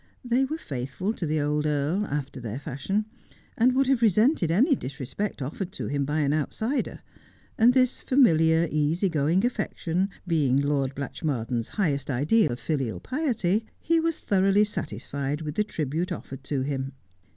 They were faithful to the old earl, after their fashion, and would have resented any disrespect offered to him by an outsider ; and this familiar, easy going affection being Lord Blatchmardean's highest idea of filial piety, he was thoroughly satisfied with the tribute ottered to him.